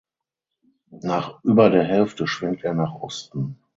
Nach über der Hälfte schwenkt er nach Osten.